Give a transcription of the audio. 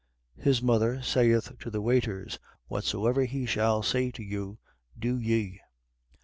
His mother saith to the waiters: Whatsoever he shall say to you, do ye.